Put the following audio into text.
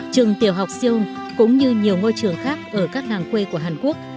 trường tiểu học seoul cũng như nhiều ngôi trường khác ở các làng quê của hàn quốc